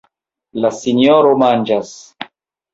La sinjoro manĝas.